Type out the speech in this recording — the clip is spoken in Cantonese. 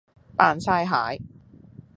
扮曬蟹